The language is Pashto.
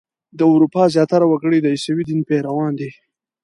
د اروپا زیاتره وګړي د عیسوي دین پیروان دي.